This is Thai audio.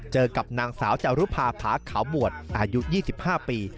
เจอกับนางสาวจารุภาพาขาวบวชอายุ๒๕ปี